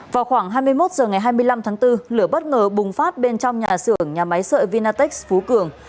vào khoảng hai mươi một giờ ngày hai mươi năm tháng bốn lửa bất ngờ bùng phát bên trong nhà sưởng nhà máy sợi vinatex phú cường